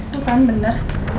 tuh kan bener